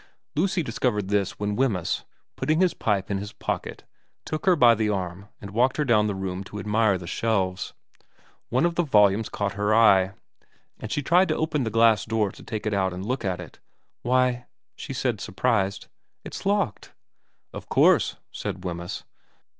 Lucy discovered this when Wemyss, putting his pipe in his pocket, took her by the arm and walked her down the room to admire the shelves. One of the volumes caught her eye, and she tried to open the glass door to take it out and look at it. * Why,' she said surprised, ' it's locked.' ' Of course,' said Wemyss.